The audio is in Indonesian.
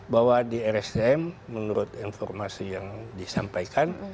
bahwa di rsdm menurut informasi yang disampaikan